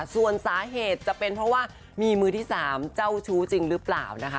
ส่วนสาเหตุจะเป็นเพราะว่ามีมือที่๓เจ้าชู้จริงหรือเปล่านะคะ